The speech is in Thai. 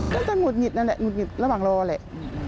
ก็จะหุดหงิดนั่นแหละหุดหงิดระหว่างรอแหละ